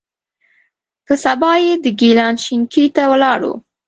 په سبا یې د ګیلان شینکۍ ته ولاړو.